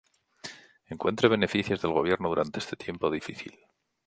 Encuentre beneficios del gobierno durante este tiempo difícil.